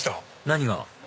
何が？